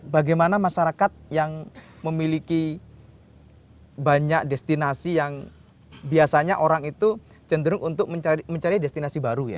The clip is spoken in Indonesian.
bagaimana masyarakat yang memiliki banyak destinasi yang biasanya orang itu cenderung untuk mencari destinasi baru ya